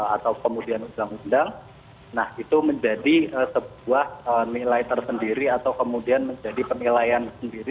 atau kemudian undang undang nah itu menjadi sebuah nilai tersendiri atau kemudian menjadi penilaian sendiri